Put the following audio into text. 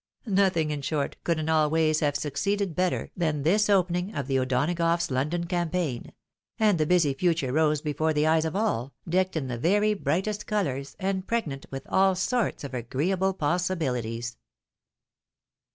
Nothing, in short, could in all ways have succeeded better than this opening of the O'Donagoughs' London campaign ; and the busy future rose before the eyes of all, decked in the very brightest colours, and pregnant with all sorts of agreeable possibilities.